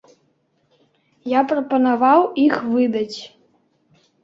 Я прапанаваў іх выдаць.